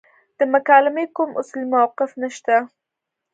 د مکالمې کوم اصولي موقف نشته.